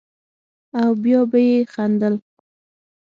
او بيا به يې خندل.